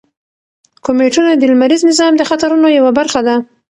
کومیټونه د لمریز نظام د خطرونو یوه برخه ده.